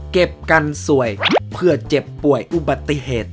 เก็บกันสวยเผื่อเจ็บป่วยอุบัติเหตุ